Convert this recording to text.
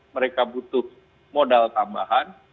mereka butuh modal tambahan